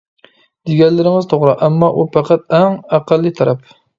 دېگەنلىرىڭىز توغرا، ئەمما ئۇ پەقەت ئەڭ ئەقەللىي تەرەپ.